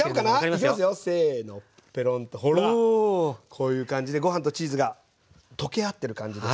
こういう感じでご飯とチーズが溶け合ってる感じです。